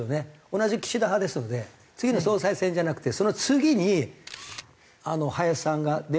同じ岸田派ですので次の総裁選じゃなくてその次に林さんが出るんじゃないかなと思います。